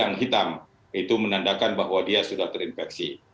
yang hitam itu menandakan bahwa dia sudah terinfeksi